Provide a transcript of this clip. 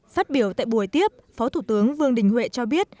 phát biểu tại buổi tiếp phó thủ tướng vương đình huệ cho biết